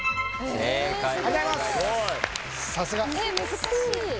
難しい。